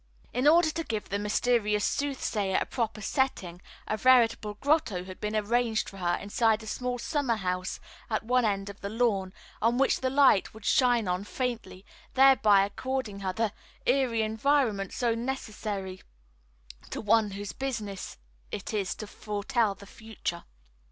In order to give the mysterious sooth sayer a proper setting, a veritable grotto had been arranged for her inside a small summer house at one end of the lawn, on which the light would shine only faintly, thereby according her the eerie environment so necessary to one whose business it is to foretell the future.